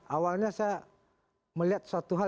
awalnya saya melihat satu hal